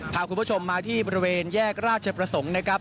พาคุณผู้ชมมาที่บริเวณแยกราชประสงค์นะครับ